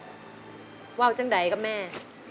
อเรนนี่วาวจังใดกับแม่